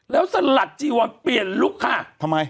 แล้วสลัดจีว่าเปลี่ยนลุคค่ะ